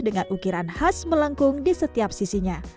dengan ukiran khas melengkung di setiap sisinya